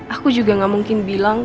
aku juga gak mungkin bilang